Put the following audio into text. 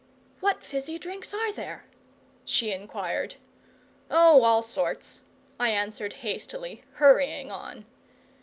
"What fizzy drinks are there?" she inquired. "Oh, all sorts," I answered hastily, hurrying on.